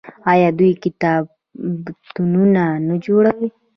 آیا دوی کتابتونونه نه جوړوي؟